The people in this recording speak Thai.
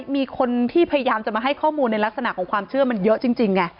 มีคนที่พยายามจะมาให้ข้อมูลในลักษณะของความเชื่อมันเยอะจริงไง